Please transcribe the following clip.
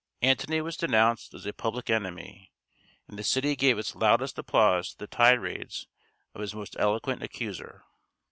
Antony was denounced as a public enemy; and the city gave its loudest applause to the tirades of his most eloquent accuser.